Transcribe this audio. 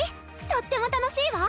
とっても楽しいわ。